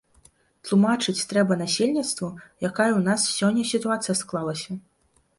Тлумачыць трэба насельніцтву, якая ў нас сёння сітуацыя склалася.